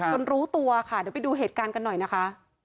รู้ตัวค่ะเดี๋ยวไปดูเหตุการณ์กันหน่อยนะคะ